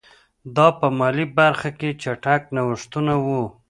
دا په مالي برخه کې چټک نوښتونه وو.